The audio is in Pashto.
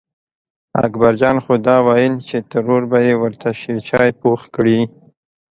اکبر جان خو دا وېل چې ترور به یې ورته شېرچای پوخ کړي.